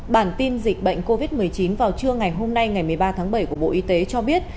bản tin dịch bệnh covid một mươi chín vào trưa ngày hôm nay ngày một mươi ba tháng bảy của bộ y tế cho biết